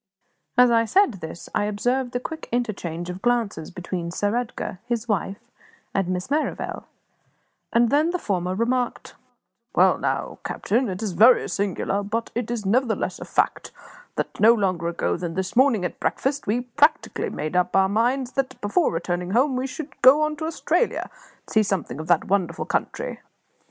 As I said this I observed a quick interchange of glances between Sir Edgar, his wife, and Miss Merrivale; and then the former remarked "Well now, captain, it is very singular, but it is nevertheless a fact, that no longer ago than this morning at breakfast we practically made up our minds that, before returning home, we would go on to Australia, and see something of that wonderful country.